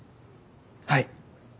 はい。